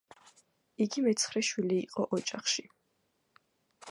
იგი მეცხრე შვილი იყო ოჯახში.